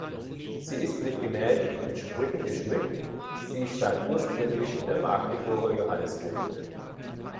Sie ist mit Gemälden und Sprüchen geschmückt, sie stand ursprünglich in der Magdeburger Johanniskirche.